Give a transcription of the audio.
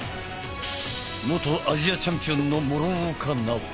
元アジアチャンピオンの諸岡奈央。